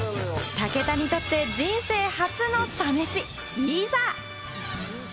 武田にとって人生初のサ飯、いざ！